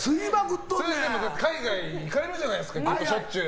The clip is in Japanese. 海外に行かれるじゃないですかしょっちゅう。